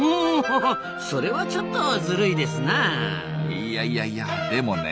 いやいやいやでもね